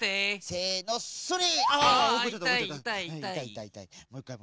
せのそれ！